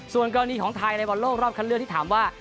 ส่วนกรณีของไทยในบอลโลกรอบคันเลือกที่ถามว่า